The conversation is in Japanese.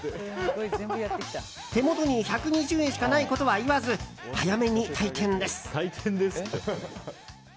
手元に１２０円しかないことは言わず、早めに退店です。